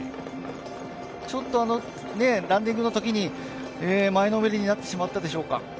ちょっとランディングのときに前のめりになってしまったでしょうか。